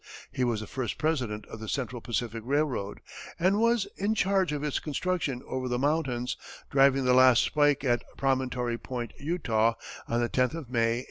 He was the first president of the Central Pacific Railroad, and was in charge of its construction over the mountains, driving the last spike at Promontory Point, Utah, on the tenth of May, 1869.